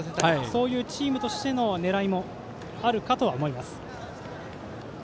そういうチームとしての狙いもあるかとは思います。